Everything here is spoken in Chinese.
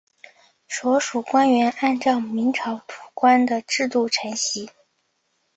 所属官员按照明朝土官的制度承袭。